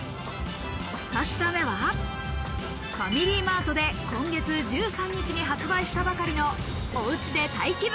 ２品目は、ファミリーマートで今月１３日に発売したばかりの「おウチでタイ気分！！